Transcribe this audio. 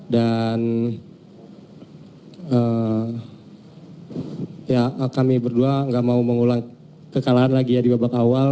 dan ya kami berdua gak mau mengulang kekalahan lagi ya di babak awal